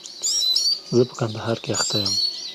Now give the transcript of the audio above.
زه په کندهار کښي اخته يم.